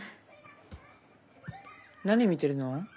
何見てるの？